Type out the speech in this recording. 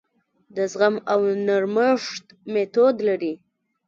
د زغم او نرمښت میتود لري.